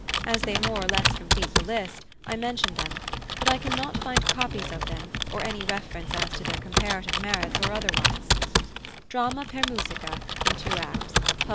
As they more or less complete the list, I mention them; but I cannot find copies of them or any reference as to their comparative merits, or otherwise: Dramma per Musica, in 2 acts, pub.